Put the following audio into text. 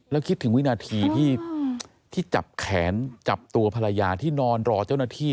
แล้วคิดถึงวินาทีที่จับแขนจับตัวภรรยาที่นอนรอเจ้าหน้าที่